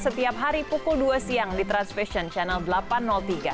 setiap hari pukul dua siang di transvision channel delapan ratus tiga